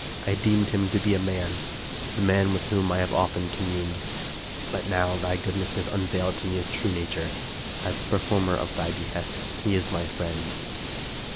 I deemed him to be a man, — the man with whom I have often communed ; but now thy goodness has unveiled to me his true nature. As the performer of thy behests, he is my friend."